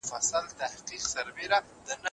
د بل چا پر مېرمني باندي کوم حق ثابت دی؟